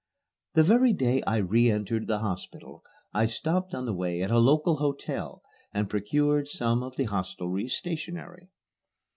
The very day I re entered the hospital I stopped on the way at a local hotel and procured some of the hostelry's stationery.